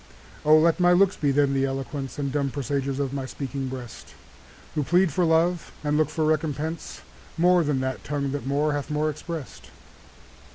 O! let my looks be then the eloquence And dumb presagers of my speaking breast, Who plead for love, and look for recompense, More than that tongue that more hath more express'd. O!